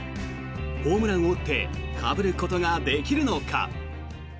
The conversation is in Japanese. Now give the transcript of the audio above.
ホームランを打ってかぶることができるのか。